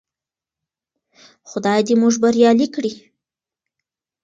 خدای دې موږ بريالي کړي.